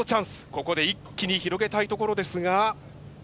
ここで一気に広げたいところですが。